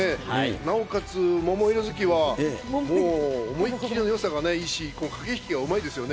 なおかつ桃色ウサヒは、思いっ切りのよさがいいし、駆け引きがうまいですよね。